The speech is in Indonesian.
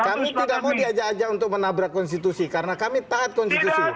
kami tidak mau diajak ajak untuk menabrak konstitusi karena kami taat konstitusi